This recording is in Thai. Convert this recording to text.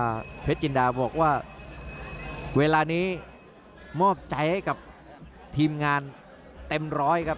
อื้อหือจังหวะขวางแล้วพยายามจะเล่นงานด้วยซอกแต่วงใน